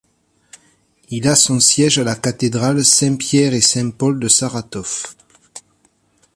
Il a son siège à la cathédrale Saint-Pierre-et-Saint-Paul de Saratov.